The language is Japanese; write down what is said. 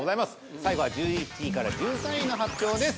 最後は１１位から１３位の発表です。